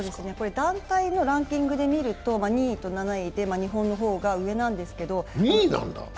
団体のランキングで見ると２位と７位で日本の方が上なんですけど。